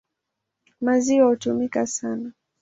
Maziwa hutumika sana.